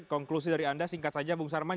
konklusi dari anda singkat saja bung sarman